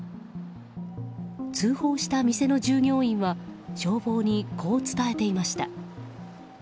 通報した店の従業員は消防にこう伝えていました。